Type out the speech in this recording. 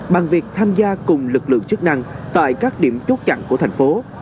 bằng việc tham gia cùng lực lượng chức năng tại các điểm chốt chặn của thành phố